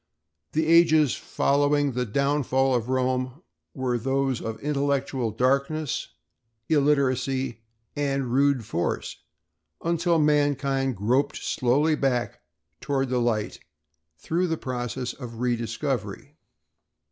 The ages following the downfall of Rome were those of intellectual darkness, illiteracy, and rude force until mankind groped slowly back toward the light through the process of rediscovery.